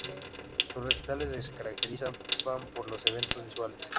Sus recitales se caracterizaban por los efectos visuales.